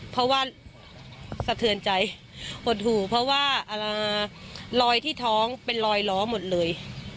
เพราะว่าสะเทือนใจหดหูเพราะว่ารอยที่ท้องเป็นรอยล้อหมดเลย